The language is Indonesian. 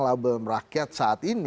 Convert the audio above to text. mereka merakyat saat ini